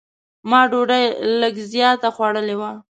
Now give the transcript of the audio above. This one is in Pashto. ما ډوډۍ لږ زیاته خوړلې وه.